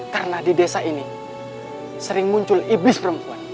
karena di desa ini sering muncul iblis perempuan